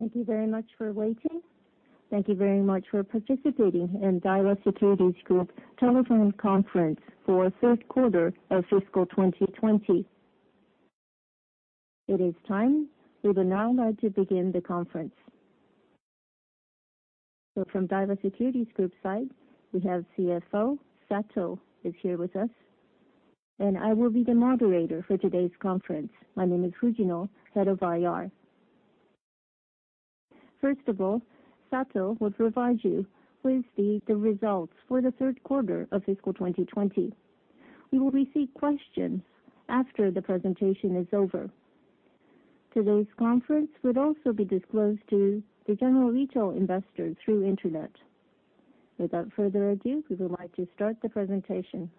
Thank you very much for waiting. Thank you very much for participating in Daiwa Securities Group telephone conference for third quarter of fiscal 2020. It is time. We would now like to begin the conference. From Daiwa Securities Group side, we have CFO, Sato is here with us, and I will be the moderator for today's conference. My name is Fujino, Head of IR. First of all, Sato will provide you with the results for the third quarter of fiscal 2020. We will receive questions after the presentation is over. Today's conference will also be disclosed to the general retail investors through internet. Without further ado, we would like to start the presentation.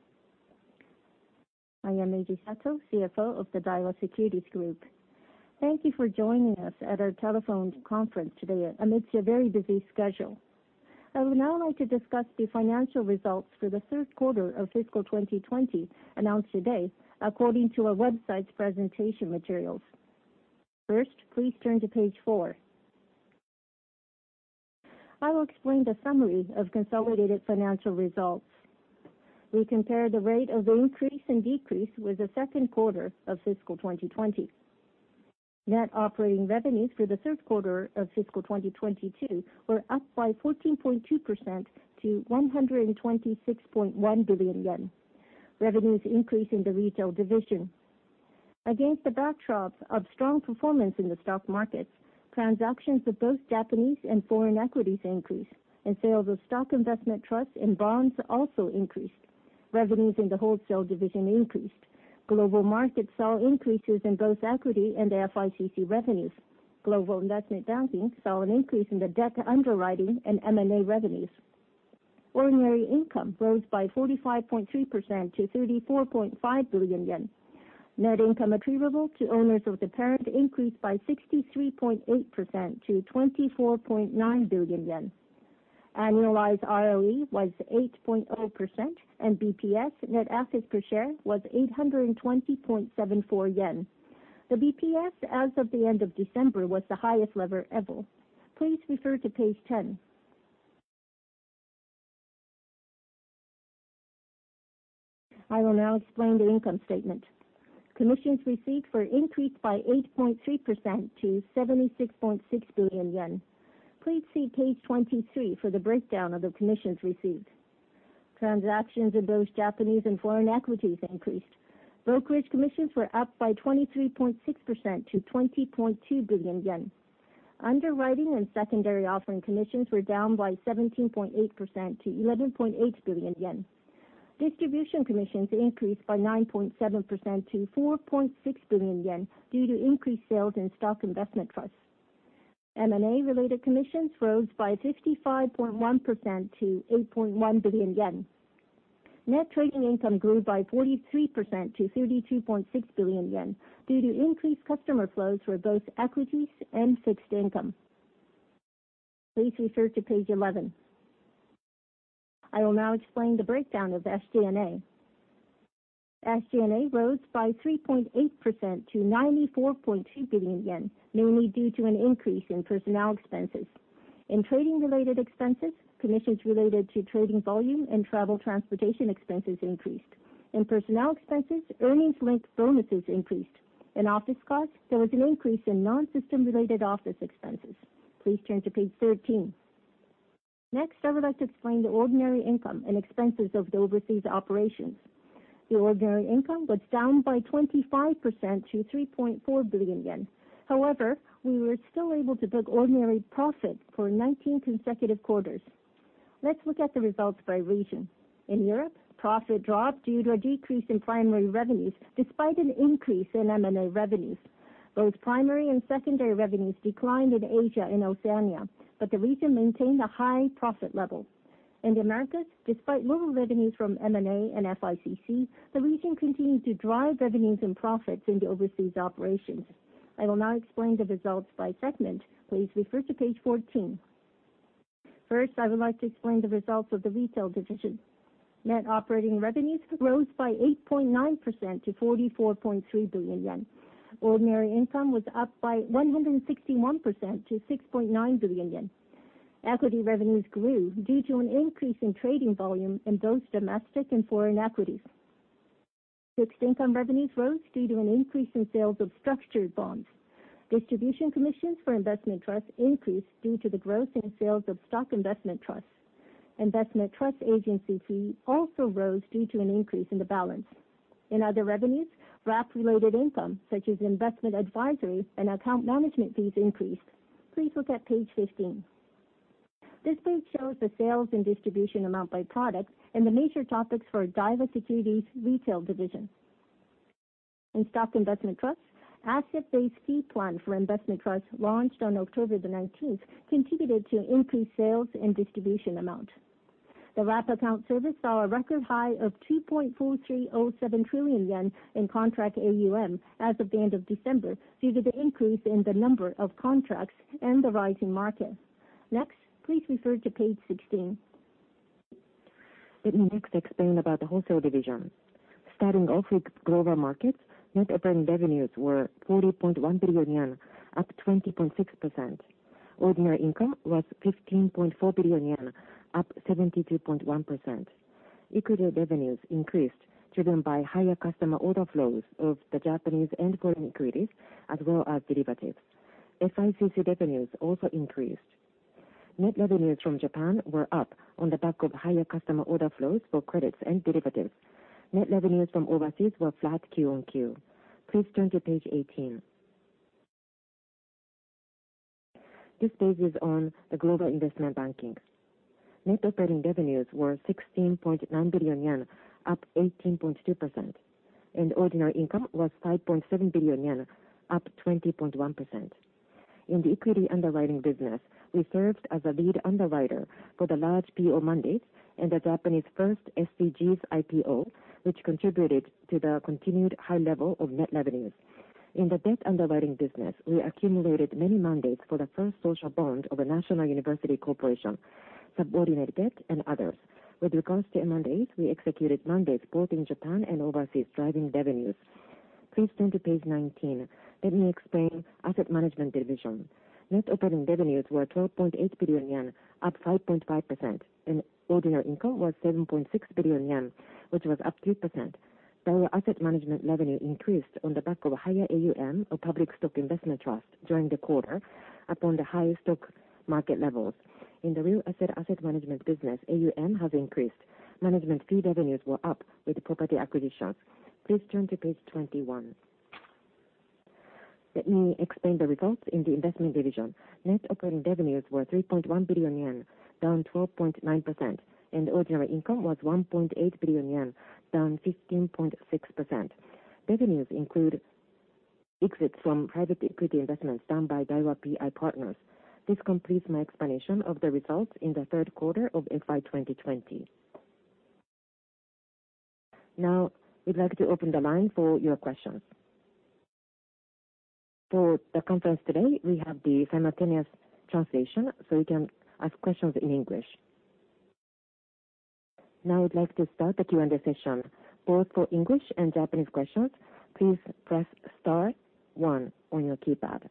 I am Eiji Sato, CFO of the Daiwa Securities Group. Thank you for joining us at our telephone conference today amidst your very busy schedule. I would now like to discuss the financial results for the third quarter of fiscal 2020, announced today according to our website's presentation materials. First, please turn to page four. I will explain the summary of consolidated financial results. We compare the rate of increase and decrease with the second quarter of fiscal 2020. Net operating revenues for the third quarter of fiscal 2020 were up by 14.2% to 126.1 billion yen. Revenues increase in the retail division. Against the backdrop of strong performance in the stock markets, transactions of both Japanese and foreign equities increased, and sales of stock investment trusts and bonds also increased. Revenues in the wholesale division increased. Global markets saw increases in both equity and FICC revenues. Global investment banking saw an increase in the debt underwriting and M&A revenues. Ordinary income rose by 45.3% to 34.5 billion yen. Net income attributable to owners of the parent increased by 63.8% to 24.9 billion yen. Annualized ROE was 8.0%, and BPS, net assets per share, was 820.74 yen. The BPS as of the end of December was the highest level ever. Please refer to page 10. I will now explain the income statement. Commissions received for increased by 8.3% to 76.6 billion yen. Please see page 23 for the breakdown of the commissions received. Transactions of both Japanese and foreign equities increased. Brokerage commissions were up by 23.6% to 20.2 billion yen. Underwriting and secondary offering commissions were down by 17.8% to 11.8 billion yen. Distribution commissions increased by 9.7% to 4.6 billion yen due to increased sales in stock investment trusts. M&A related commissions rose by 55.1% to 8.1 billion yen. Net trading income grew by 43% to 32.6 billion yen due to increased customer flows for both equities and fixed income. Please refer to page 11. I will now explain the breakdown of SG&A. SG&A rose by 3.8% to 94.2 billion yen, mainly due to an increase in personnel expenses. In trading-related expenses, commissions related to trading volume and travel transportation expenses increased. In personnel expenses, earnings-linked bonuses increased. In office costs, there was an increase in non-system-related office expenses. Please turn to page 13. I would like to explain the ordinary income and expenses of the overseas operations. The ordinary income was down by 25% to 3.4 billion yen. We were still able to book ordinary profit for 19 consecutive quarters. Let's look at the results by region. In Europe, profit dropped due to a decrease in primary revenues despite an increase in M&A revenues. Both primary and secondary revenues declined in Asia and Oceania, but the region maintained a high profit level. In the Americas, despite low revenues from M&A and FICC, the region continued to drive revenues and profits in the overseas operations. I will now explain the results by segment. Please refer to page 14. First, I would like to explain the results of the retail division. Net operating revenues rose by 8.9% to 44.3 billion yen. Ordinary income was up by 161% to 6.9 billion yen. Equity revenues grew due to an increase in trading volume in both domestic and foreign equities. Fixed income revenues rose due to an increase in sales of structured bonds. Distribution commissions for investment trusts increased due to the growth in sales of stock investment trusts. Investment trusts agency fee also rose due to an increase in the balance. In other revenues, wrap-related income such as investment advisory and account management fees increased. Please look at page 15. This page shows the sales and distribution amount by product and the major topics for Daiwa Securities retail division. In stock investment trusts, asset-based fee plan for investment trusts launched on October 19th contributed to increased sales and distribution amount. The wrap account service saw a record high of 2.4307 trillion yen in contract AUM as of the end of December due to the increase in the number of contracts and the rising market. Next, please refer to page 16. Let me next explain about the wholesale division. Starting off with global markets, net operating revenues were 40.1 billion yen, up 20.6%. Ordinary income was 15.4 billion yen, up 72.1%. Equity revenues increased, driven by higher customer order flows of the Japanese and foreign equities, as well as derivatives. FICC revenues also increased. Net revenues from Japan were up on the back of higher customer order flows for credits and derivatives. Net revenues from overseas were flat QoQ. Please turn to page 18. This page is on the global investment banking. Net operating revenues were 16.9 billion yen, up 18.2%, and ordinary income was 5.7 billion yen, up 20.1%. In the equity underwriting business, we served as a lead underwriter for the large PO mandates and the Japanese first SDGs-IPO, which contributed to the continued high level of net revenues. In the debt underwriting business, we accumulated many mandates for the first social bond of a national university corporation, subordinate debt, and others. With regards to mandates, we executed mandates both in Japan and overseas, driving revenues. Please turn to page 19. Let me explain asset management division. Net operating revenues were 12.8 billion yen, up 5.5%, and ordinary income was 7.6 billion yen, which was up 3%. Daiwa Asset Management revenue increased on the back of a higher AUM of public stock investment trust during the quarter, upon the higher stock market levels. In the real asset management business, AUM has increased. Management fee revenues were up with property acquisitions. Please turn to page 21. Let me explain the results in the investment division. Net operating revenues were 3.1 billion yen, down 12.9%, and ordinary income was 1.8 billion yen, down 15.6%. Revenues include exits from private equity investments done by Daiwa PI Partners. This completes my explanation of the results in the third quarter of FY 2020. We'd like to open the line for your questions. For the conference today, we have the simultaneous translation so you can ask questions in English. I'd like to start the Q&A session. Both for English and Japanese questions, please press star one on your keypad.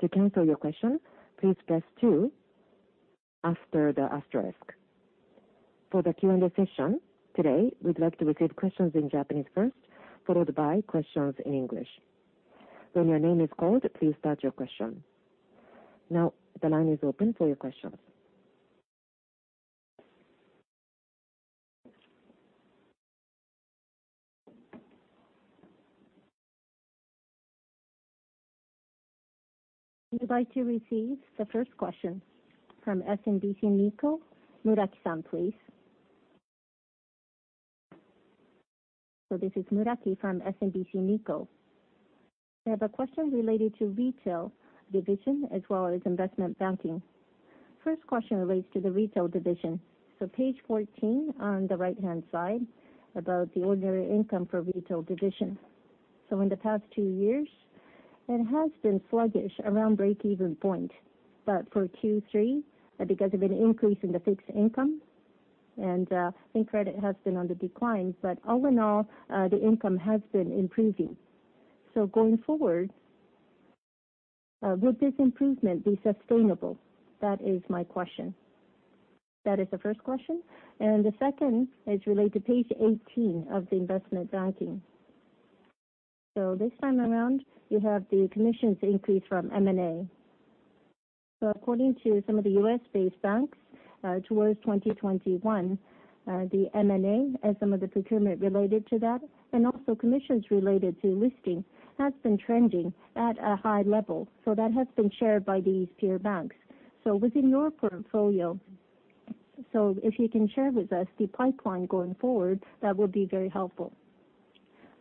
To cancel your question, please press two after the asterisk. For the Q&A session today, we'd like to receive questions in Japanese first, followed by questions in English. When your name is called, please start your question. The line is open for your questions. We'd like to receive the first question from SMBC Nikko, Muraki-san, please. This is Muraki from SMBC Nikko. I have a question related to retail division as well as investment banking. First question relates to the retail division. Page 14 on the right-hand side, about the ordinary income for retail division. In the past two years, it has been sluggish around break-even point. For Q3, because of an increase in the fixed income and, I think credit has been on the decline, but all in all, the income has been improving. Going forward, would this improvement be sustainable? That is my question. That is the first question, the second is related to page 18 of the investment banking. This time around, you have the commissions increase from M&A. According to some of the U.S.-based banks, towards 2021, the M&A and some of the procurement related to that, and also commissions related to listing, has been trending at a high level. That has been shared by these peer banks. Within your portfolio, so if you can share with us the pipeline going forward, that would be very helpful.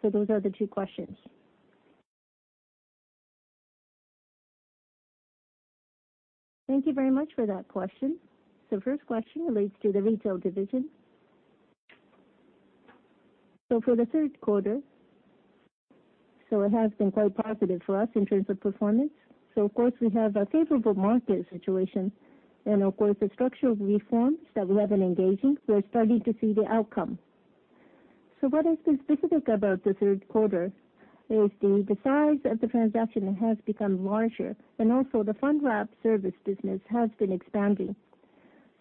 Those are the two questions. Thank you very much for that question. First question relates to the retail division. For the third quarter, it has been quite positive for us in terms of performance. Of course, we have a favorable market situation, and of course, the structural reforms that we have been engaging, we are starting to see the outcome. What has been specific about the third quarter is the size of the transaction has become larger, and also the fund wrap service business has been expanding.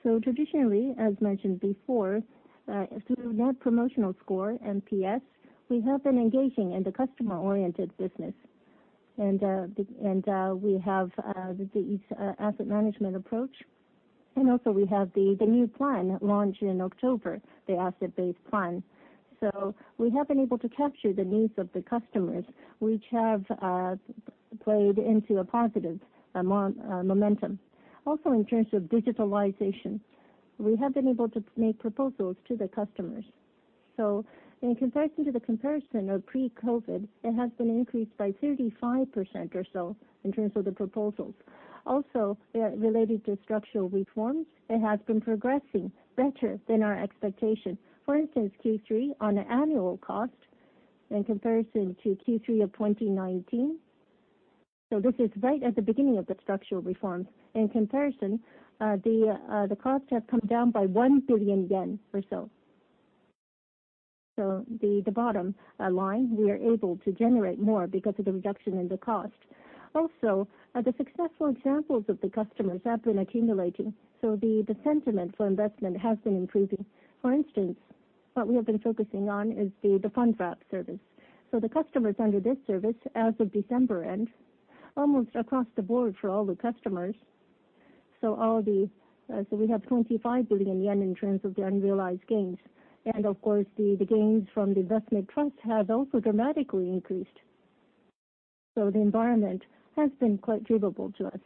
Traditionally, as mentioned before, through Net Promoter Score, NPS, we have been engaging in the customer-oriented business. We have the asset management approach. Also, we have the new plan launched in October, the asset-based plan. We have been able to capture the needs of the customers, which have played into a positive momentum. In terms of digitalization, we have been able to make proposals to the customers. In comparison to the comparison of pre-COVID, it has been increased by 35% or so in terms of the proposals. Related to structural reforms, it has been progressing better than our expectation. For instance, Q3 on an annual cost in comparison to Q3 of 2019 This is right at the beginning of the structural reforms. In comparison, the cost has come down by 1 billion yen or so. The bottom line, we are able to generate more because of the reduction in the cost. Also, the successful examples of the customers have been accumulating, so the sentiment for investment has been improving. For instance, what we have been focusing on is the fund wrap service. The customers under this service, as of December end, almost across the board for all the customers, we have 25 billion yen in terms of the unrealized gains. Of course, the gains from the investment trust have also dramatically increased. The environment has been quite favorable to us.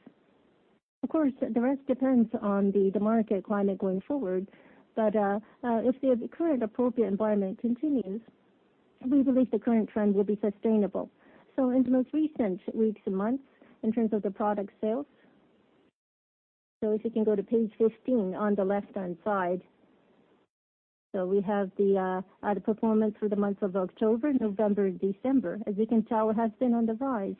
Of course, the rest depends on the market climate going forward. If the current appropriate environment continues, we believe the current trend will be sustainable. In the most recent weeks and months, in terms of the product sales, if you can go to page 15 on the left-hand side. We have the performance for the months of October, November, and December. As you can tell, it has been on the rise.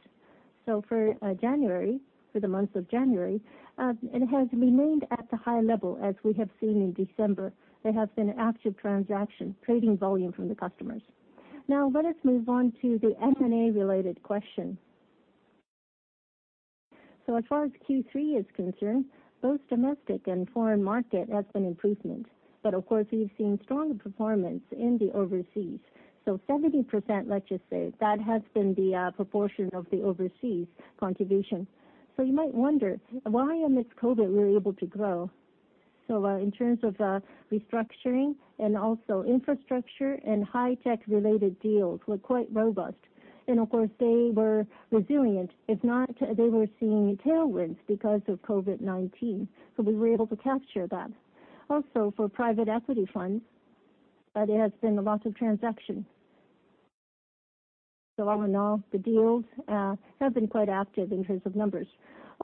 For the month of January, it has remained at the high level as we have seen in December. There has been active transaction, trading volume from the customers. Now let us move on to the M&A related question. As far as Q3 is concerned, both domestic and foreign market has seen improvement. But of course, we've seen strong performance in the overseas. So, 70%, let's just say, that has been the proportion of the overseas contribution. You might wonder why amidst COVID-19, we were able to grow? In terms of restructuring and also infrastructure and high-tech related deals, were quite robust. Of course, they were resilient. If not, they were seeing tailwinds because of COVID-19. We were able to capture that. For private equity funds, there has been a lot of transaction. All in all, the deals have been quite active in terms of numbers.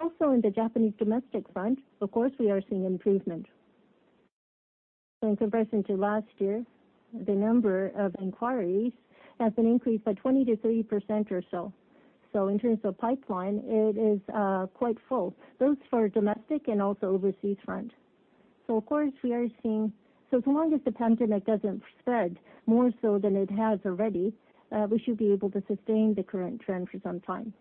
In the Japanese domestic front, of course, we are seeing improvement. In comparison to last year, the number of inquiries has been increased by 20%-30% or so. In terms of pipeline, it is quite full, both for domestic and also overseas front. As long as the pandemic doesn't spread more so than it has already, we should be able to sustain the current trend for some time.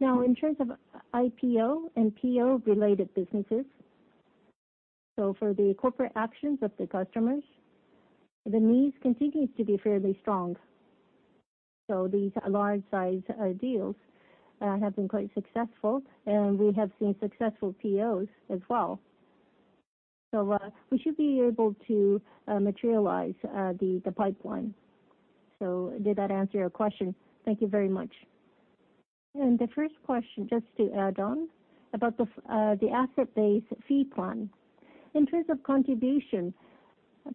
In terms of IPO and PO-related businesses, for the corporate actions of the customers, the needs continue to be fairly strong. These large size deals have been quite successful, and we have seen successful POs as well. We should be able to materialize the pipeline. Did that answer your question? Thank you very much. The first question, just to add on, about the asset-based fee plan. In terms of contribution,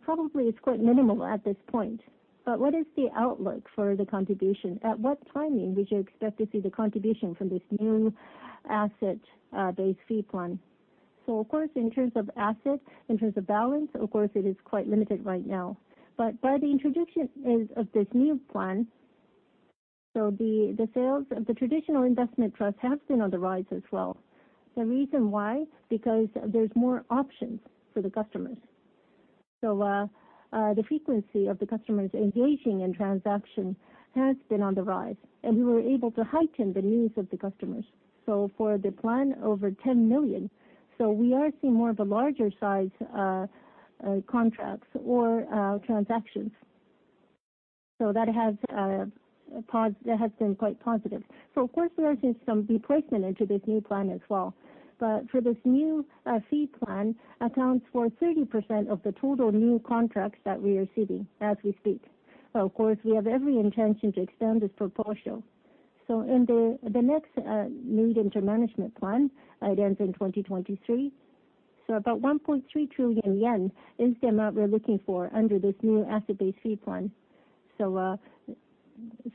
probably it's quite minimal at this point, but what is the outlook for the contribution? At what timing we should expect to see the contribution from this new asset-based fee plan? Of course, in terms of assets, in terms of balance, of course it is quite limited right now. But by the introduction of this new plan, so the sales of the traditional investment trust have been on the rise as well. The reason why, because there's more options for the customers. The frequency of the customers engaging in transaction has been on the rise, and we were able to heighten the needs of the customers. For the plan over 10 million, so we are seeing more of a larger size contracts or transactions. That has been quite positive. Of course, we are seeing some replacement into this new plan as well. For this new fee plan accounts for 30% of the total new contracts that we are seeing as we speak. Of course, we have every intention to extend this proportion. In the next medium-term management plan, it ends in 2023. About 1.3 trillion yen is the amount we're looking for under this new asset-based fee plan. It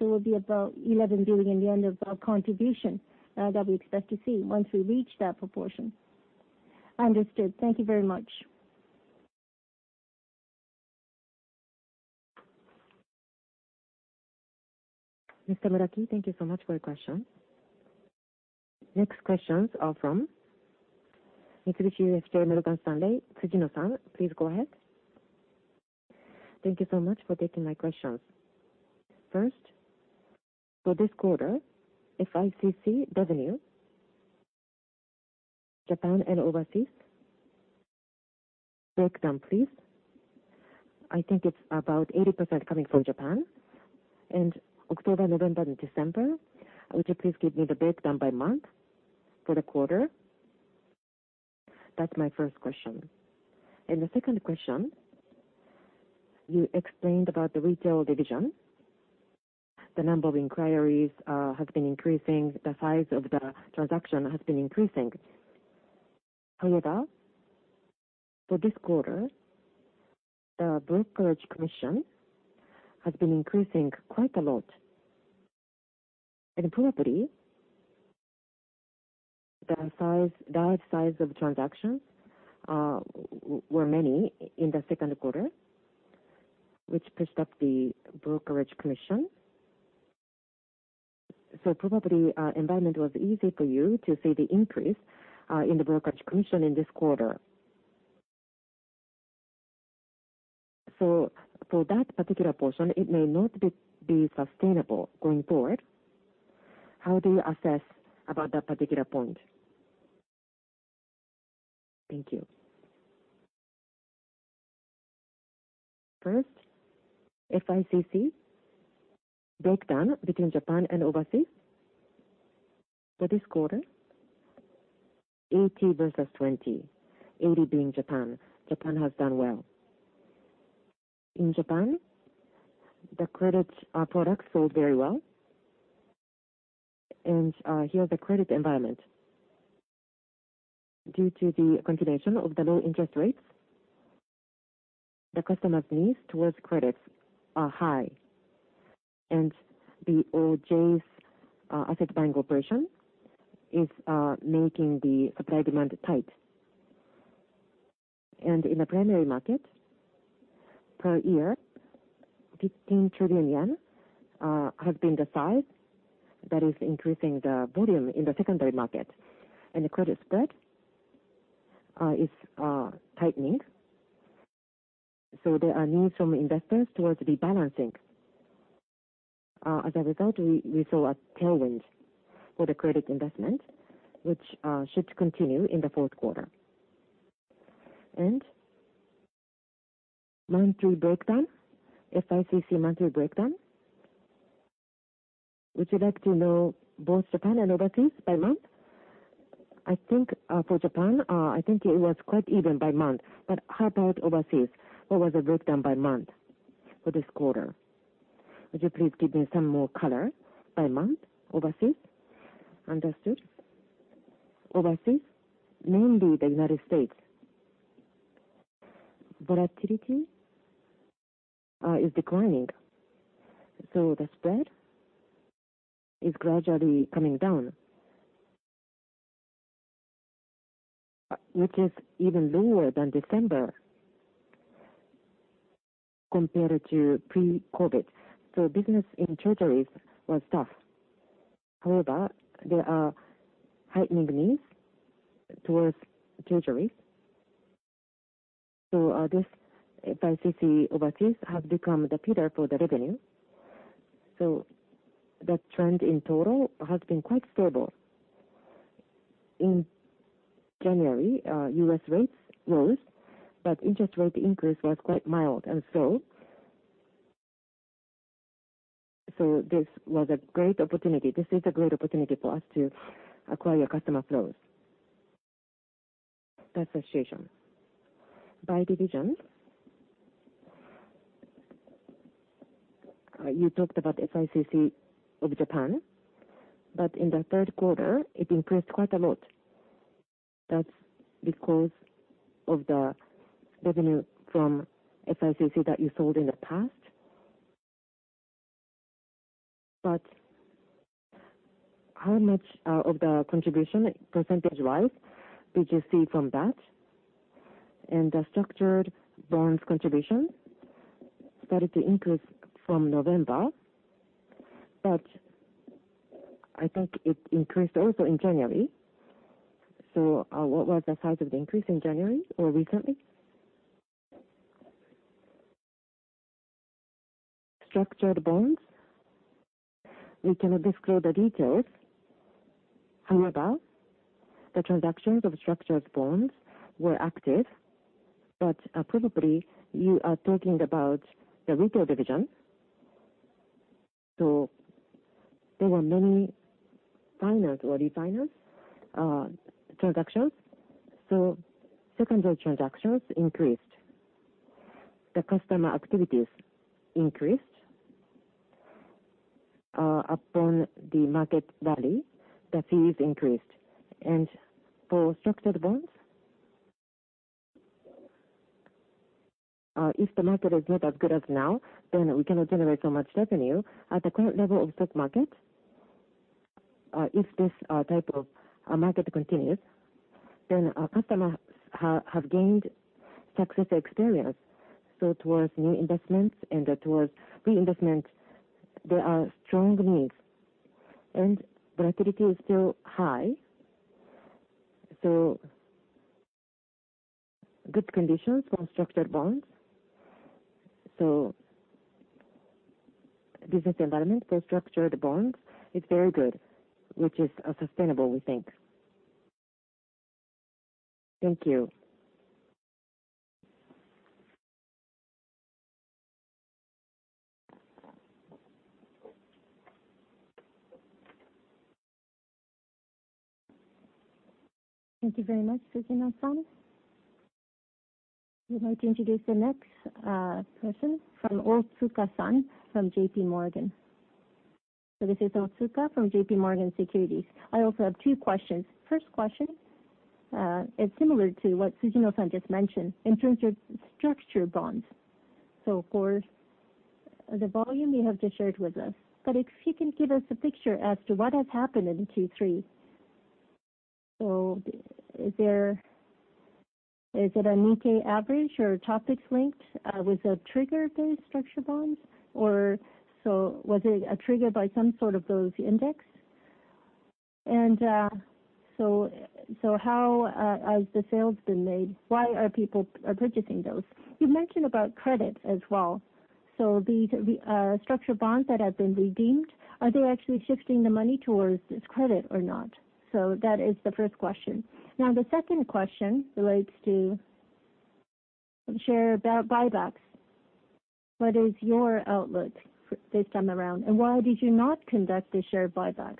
will be about 11 billion yen of contribution that we expect to see once we reach that proportion. Understood. Thank you very much. Mr. Muraki, thank you so much for your question. Next questions are from Mitsubishi UFJ Morgan Stanley, Tsujino-san, please go ahead. Thank you so much for taking my questions. First, for this quarter, FICC revenue, Japan and overseas breakdown, please. I think it's about 80% coming from Japan. And October, November, and December, would you please give me the breakdown by month for the quarter? That's my first question. The second question, you explained about the retail division. The number of inquiries has been increasing. The size of the transaction has been increasing. However, for this quarter, the brokerage commission has been increasing quite a lot. In property, the size of transactions was many in the second quarter, which pushed up the brokerage commission. Probably, environment was easy for you to see the increase in the brokerage commission in this quarter. For that particular portion, it may not be sustainable going forward. How do you assess about that particular point? Thank you. First, FICC breakdown between Japan and overseas for this quarter, 80% versus 20%, 80% being Japan. Japan has done well. In Japan, the credit products sold very well. And here, the credit environment, due to the continuation of the low interest rates, the customers' needs towards credits are high. The BOJ's asset buying operation is making the supply-demand tight. In the primary market, per year, 15 trillion yen has been the size that is increasing the volume in the secondary market. The credit spread is tightening. There are needs from investors towards rebalancing. As a result, we saw a tailwind for the credit investment, which should continue in the fourth quarter. Monthly breakdown, FICC monthly breakdown. Would you like to know both Japan and overseas by month? I think for Japan, it was quite even by month. How about overseas? What was the breakdown by month for this quarter? Would you please give me some more color by month, overseas? Understood. Overseas, mainly the United States, volatility is declining. So, the spread is gradually coming down, which is even lower than December compared to pre-COVID. Business in Treasuries was tough. However, there are heightening relief towards January, so this FICC overseas have become the pillar for the revenue. That trend in total has been quite stable. In January, U.S. rates rose, but interest rate increase was quite mild, and so this was a great opportunity. This is a great opportunity for us to acquire customer flows. That's the situation. By division, you talked about FICC of Japan, but in the third quarter, it increased quite a lot. That's because of the revenue from FICC that you sold in the past. How much of the contribution percentage-wise did you see from that? The structured bonds contribution started to increase from November, but I think it increased also in January. What was the size of the increase in January or recently? Structured bonds, we cannot disclose the details. However, the transactions of structured bonds were active. Probably, you are talking about the retail division. There were many finance or refinance transactions, so secondary transactions increased. The customer activities increased upon the market value, the fees increased. For structured bonds, if the market is not as good as now, then we cannot generate so much revenue. At the current level of stock market, if this type of market continues, then our customers have gained success experience. Towards new investments and towards reinvestments, there are strong needs. Volatility is still high, so good conditions for structured bonds. Business environment for structured bonds is very good, which is sustainable, we think. Thank you. Thank you very much, Tsujino-san. We'd like to introduce the next person, from Otsuka-san from JPMorgan. This is Otsuka from JPMorgan Securities. I also have two questions. First question. It's similar to what Tsujino-san just mentioned in terms of structured bonds. Of course, the volume you have just shared with us, but if you can give us a picture as to what has happened in Q3. Is it a Nikkei average or TOPIX linked? Was it trigger-based structured bonds? Was it triggered by some sort of those index? How has the sales been made? Why are people purchasing those? You mentioned about credit as well. The structured bonds that have been redeemed, are they actually shifting the money towards this credit or not? That is the first question. The second question relates to share buybacks. What is your outlook for this time around, and why did you not conduct the share buybacks?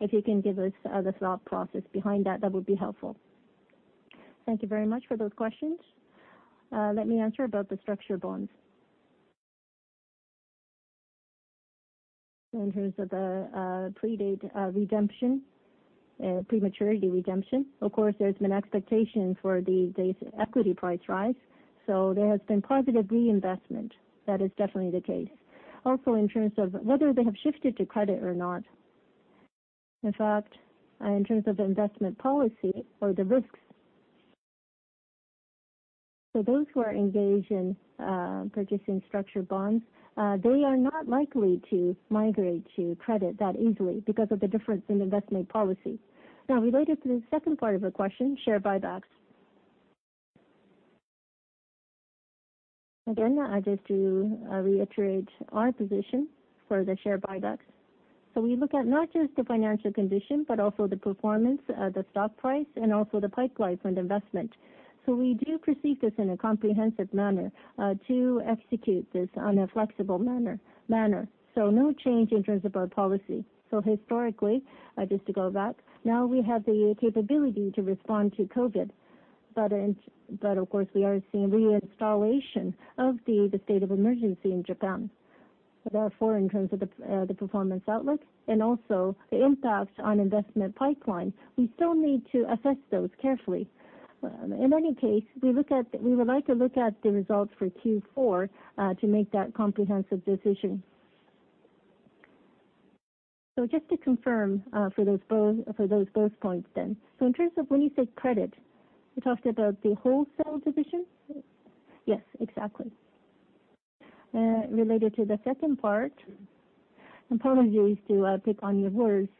If you can give us the thought process behind that would be helpful. Thank you very much for those questions. Let me answer about the structured bonds. In terms of the predate redemption, pre-maturity redemption. Of course, there's been expectation for the equity price rise. There has been positive reinvestment. That is definitely the case. Also, in terms of whether they have shifted to credit or not. In fact, in terms of investment policy or the risks, so those who are engaged in purchasing structured bonds, they are not likely to migrate to credit that easily because of the difference in investment policy. Now, related to the second part of your question, share buybacks. Again, just to reiterate our position for the share buybacks. We look at not just the financial condition, but also the performance, the stock price, and also the pipeline for investment. We do perceive this in a comprehensive manner to execute this on a flexible manner. No change in terms of our policy. Historically, just to go back, now we have the capability to respond to COVID. Of course, we are seeing reinstallation of the state of emergency in Japan. Therefore, in terms of the performance outlook and also the impact on investment pipeline, we still need to assess those carefully. In any case, we would like to look at the results for Q4 to make that comprehensive decision. Just to confirm for those bullet points then. In terms of when you say credit, you talked about the wholesale division? Yes, exactly. Related to the second part, apologies to pick on your words,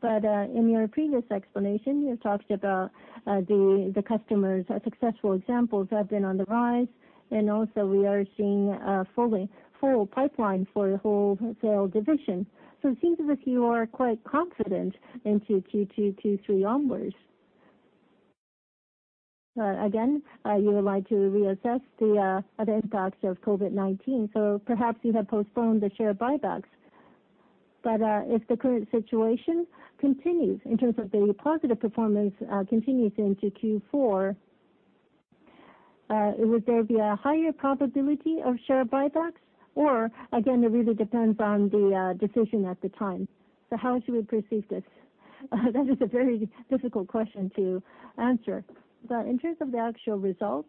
but in your previous explanation, you talked about the customers' success, for example, have been on the rise. And also, we are seeing a full pipeline for wholesale division. It seems as if you are quite confident into Q2, Q3 onwards. Again, you would like to reassess the impacts of COVID-19. Perhaps you have postponed the share buybacks. If the current situation continues in terms of the positive performance continues into Q4, would there be a higher probability of share buybacks? Or again, it really depends on the decision at the time? How should we perceive this? That is a very difficult question to answer. In terms of the actual results,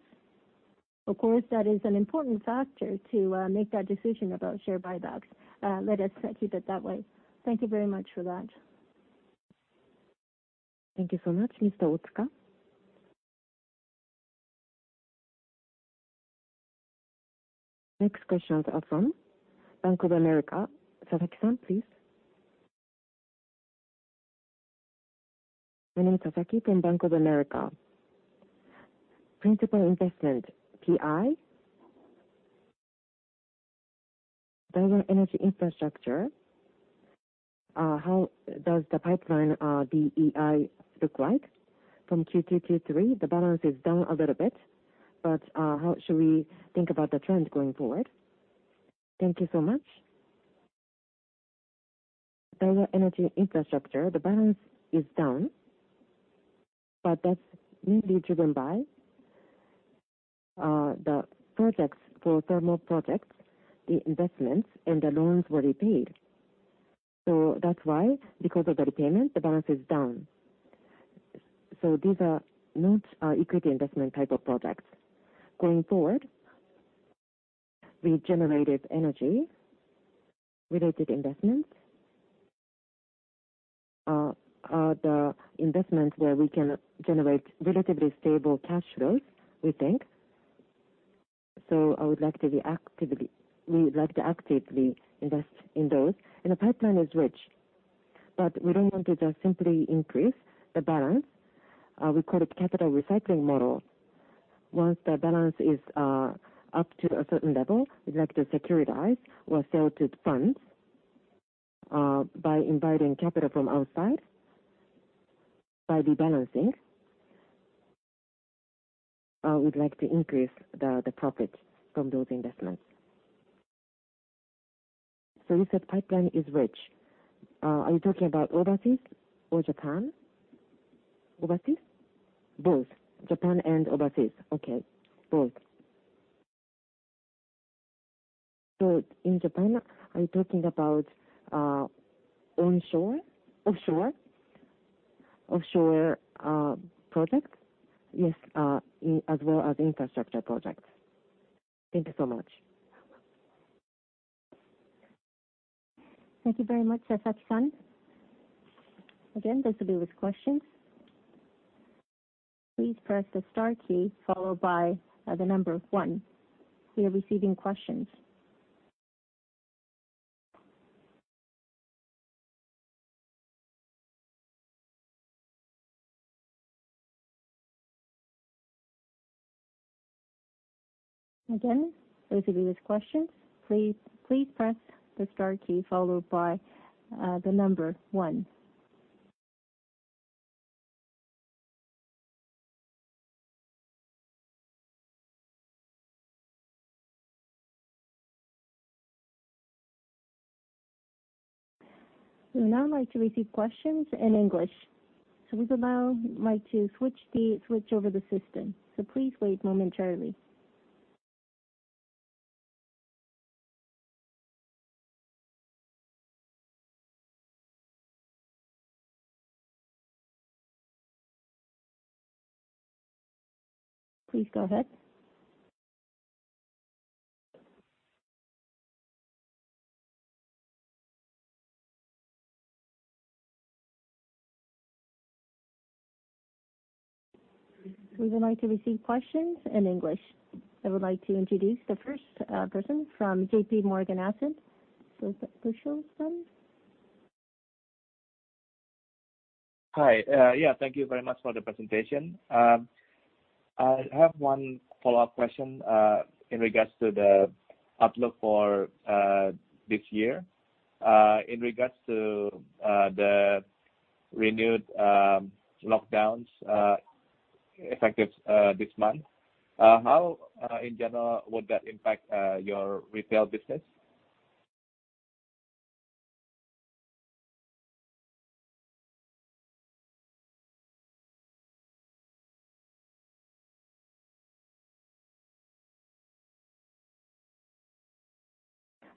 of course, that is an important factor to make that decision about share buybacks. Let us keep it that way. Thank you very much for that. Thank you so much, Mr. Otsuka. Next question is from Bank of America. Sasaki-san, please. My name is Sasaki from Bank of America. Principal investment, PI, Daiwa Energy & Infrastructure, how does the pipeline DEI look like from Q2, Q3? The balance is down a little bit, but how should we think about the trend going forward? Thank you so much. Daiwa Energy & Infrastructure, the balance is down. That's mainly driven by the projects for thermal projects, the investments and the loans were repaid. That's why, because of the repayment, the balance is down. These are not equity investment type of projects. Going forward, we generated energy-related investments. the investments where we can generate relatively stable cash flows, we think. So, we would like to actively invest in those. The pipeline is rich. We don't want to just simply increase the balance. We call it capital recycling model. Once the balance is up to a certain level, we like to securitize or sell to funds, by inviting capital from outside, by rebalancing. We'd like to increase the profit from those investments. You said pipeline is rich. Are you talking about overseas or Japan? Overseas? Both Japan and overseas. Okay. Both. In Japan, are you talking about onshore, offshore, offshore projects? Yes, as well as infrastructure projects. Thank you so much. Thank you very much, Sasaki-san. Again, those with questions, please press the star key followed by the number one. We are receiving questions. Again, those of you with questions, please press the star key followed by the number one. We would now like to receive questions in English. We would now like to switch over the system, so please wait momentarily. Please go ahead. We would like to receive questions in English. I would like to introduce the first person from JPMorgan Asset. Hi. Yeah, thank you very much for the presentation. I have one follow-up question in regard to the outlook for this year. In regard to the renewed lockdowns effective this month, how, in general, would that impact your retail business?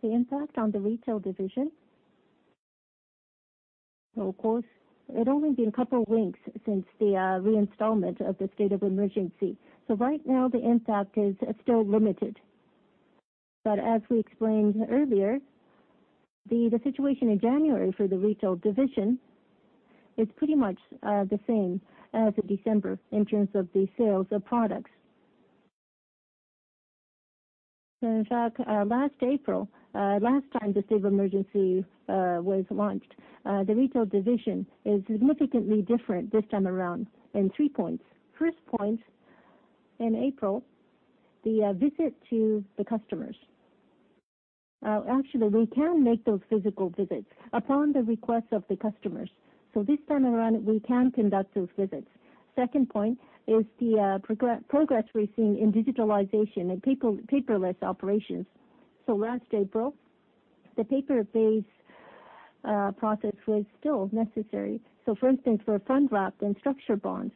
The impact on the retail division? Of course, it's only been a couple of weeks since the re-installment of the state of emergency, so right now the impact is still limited. As we explained earlier, the situation in January for the retail division is pretty much the same as in December in terms of the sales of products. In fact, last April, last time the state of emergency was launched, the retail division is significantly different this time around in three points. First point, in April, the visit to the customers. Actually, we can make those physical visits upon the request of the customers. This time around, we can conduct those visits. Second point is the progress we're seeing in digitalization and paperless operations. Last April, the paper-based process was still necessary. For instance, for fund wrap and structured bonds.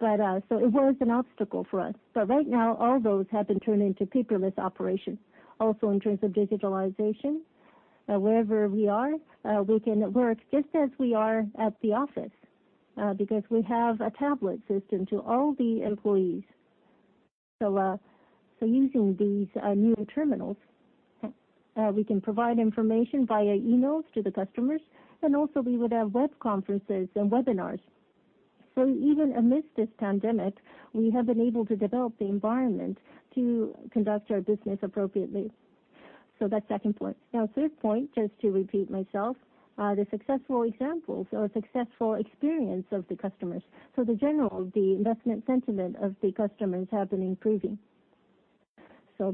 It was an obstacle for us. Right now all those have been turned into paperless operations. In terms of digitalization, wherever we are, we can work just as we are at the office because we have a tablet system to all the employees. Using these new terminals, we can provide information via emails to the customers, and also we would have web conferences and webinars. Even amidst this pandemic, we have been able to develop the environment to conduct our business appropriately. That's second point. Third point, just to repeat myself, the successful examples or successful experience of the customers. In general, the investment sentiment of the customers have been improving.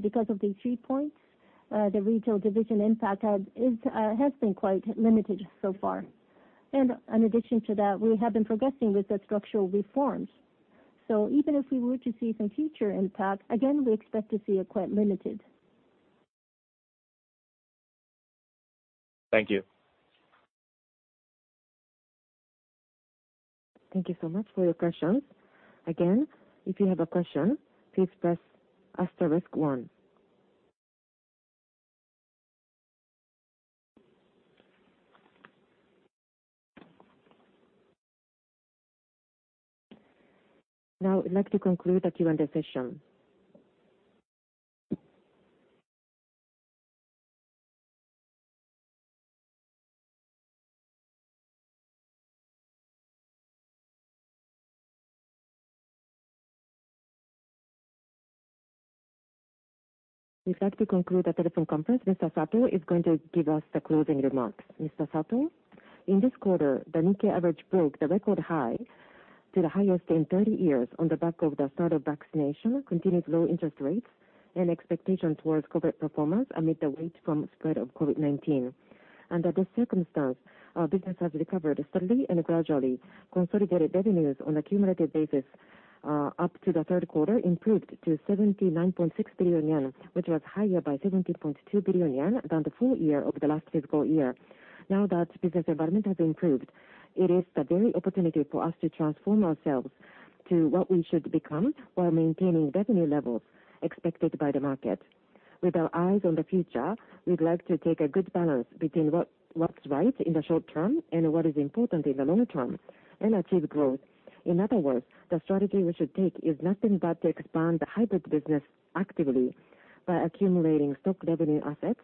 Because of these three points, the retail division impact has been quite limited so far. In addition to that, we have been progressing with the structural reforms. Even if we were to see some future impact, again, we expect to see it quite limited. Thank you. Thank you so much for your questions. Again, if you have a question, please press asterisk one. We'd like to conclude the Q&A session. We'd like to conclude the telephone conference. Mr. Sato is going to give us the closing remarks. Mr. Sato? In this quarter, the Nikkei average broke the record high to the highest in 30 years on the back of the start of vaccination, continued low interest rates, and expectations towards corporate performance amid the weight from spread of COVID-19. Under this circumstance, business has recovered steadily and gradually. Consolidated revenues on a cumulative basis up to the third quarter improved to 79.6 billion yen, which was higher by 70.2 billion yen than the full year over the last fiscal year. Now that business environment has improved, it is the very opportunity for us to transform ourselves to what we should become while maintaining revenue levels expected by the market. With our eyes on the future, we'd like to take a good balance between what's right in the short term and what is important in the long term and achieve growth. In other words, the strategy we should take is nothing but to expand the hybrid business actively by accumulating stock revenue assets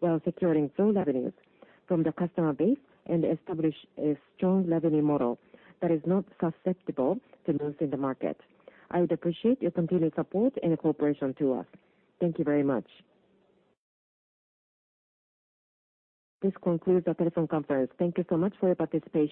while securing flow revenues from the customer base and establish a strong revenue model that is not susceptible to moves in the market. I would appreciate your continued support and cooperation to us. Thank you very much. This concludes the telephone conference. Thank you so much for your participation.